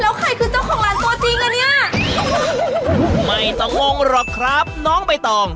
แล้วใครคือเจ้าของร้านตัวจริงอ่ะเนี้ยไม่ต้องงงหรอกครับน้องใบตอง